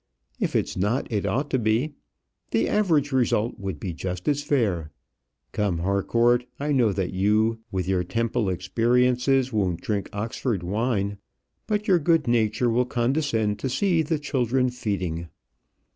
If it's not, it ought to be. The average result would be just as fair. Come, Harcourt, I know that you, with your Temple experiences, won't drink Oxford wine; but your good nature will condescend to see the children feeding.